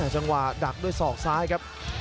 จังหวะดักด้วยศอกซ้ายครับ